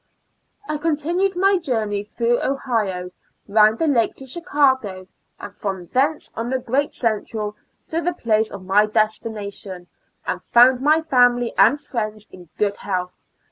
I continued my journey through Ohio, around the lake to Chicago, and from thence on the great Central to the place ot my destination, and found my family and friends in good health.